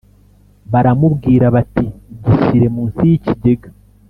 baramubwira bati: “gishyire munsi y’ikigega.”